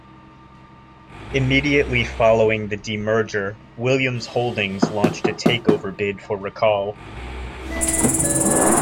Immediately following the demerger, Williams Holdings launched a takeover bid for Racal.